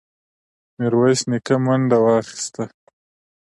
ميرويس نيکه منډه واخيسته.